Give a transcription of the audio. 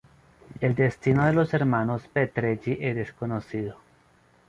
El destino de los hermanos Petrelli es desconocido.